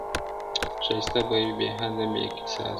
ښایسته به وي بې حده، بې قیاسه -